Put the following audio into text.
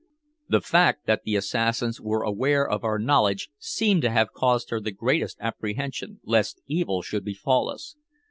The fact that the assassins were aware of our knowledge seemed to have caused her the greatest apprehension lest evil should befall us.